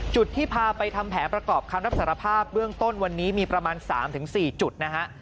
ที่พาไปทำแผนประกอบคำรับสารภาพเบื้องต้นวันนี้มีประมาณ๓๔จุดนะฮะ